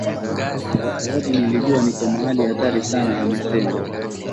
kwasababu nilijua niko mahali hatari sana amesema